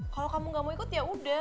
kalau kamu gak mau ikut yaudah